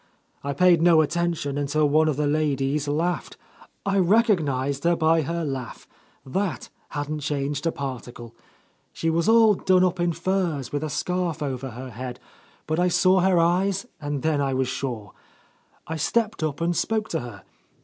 I paid no attention until one of the ladies laughed, I recognized her by her laugh, — ^^that 172 ! A Lost Lady hadn't changed a particle. She was all done up in furs, with a scarf over her head, but I saw her eyes, and then I was sure. I stepped up and spoke to her.